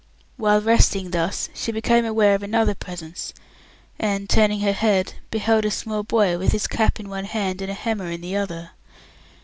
While resting thus, she became aware of another presence, and, turning her head, beheld a small boy, with his cap in one hand and a hammer in the other.